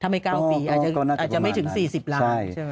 ไม่๙ปีอาจจะไม่ถึง๔๐ล้านใช่ไหม